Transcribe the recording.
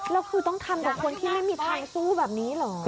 แล้วคือต้องทำกับคนที่ไม่มีทางสู้แบบนี้เหรอ